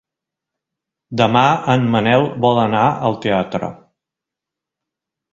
Demà en Manel vol anar al teatre.